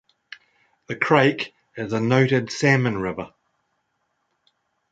The Crake is a noted salmon river.